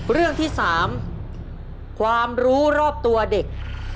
เรื่องที่๓ความรู้รอบตัวเด็ก